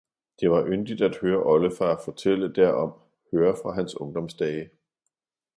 Det var yndigt at høre oldefar fortælle derom, høre fra hans ungdomsdage.